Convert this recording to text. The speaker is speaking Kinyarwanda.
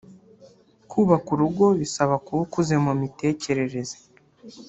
Kubaka urugo bisaba kuba ukuze mu mitekerereze